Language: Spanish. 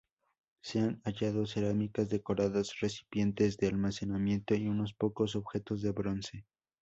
Se han hallado cerámicas decoradas, recipientes de almacenamiento y unos pocos objetos de bronce.